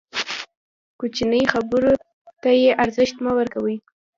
کوچنۍ خبرو ته ارزښت مه ورکوئ!